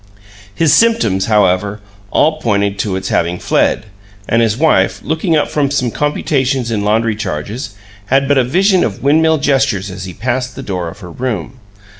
His symptoms, however, all pointed to its having fled; and his wife, looking up from some computations in laundry charges, had but a vision of windmill gestures as he passed the door of her room.